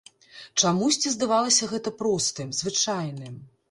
Чамусьці здавалася гэта простым, звычайным.